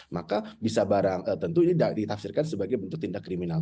maka bisa tentu ditafsirkan sebagai bentuk tindak kriminal